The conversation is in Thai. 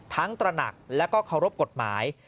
ตระหนักและก็เคารพกฎหมาย